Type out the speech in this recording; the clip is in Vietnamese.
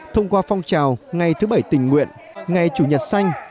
thông qua phong trào ngày thứ bảy tình nguyện ngày chủ nhật xanh